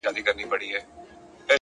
پوهه د انسان لید پراخوي,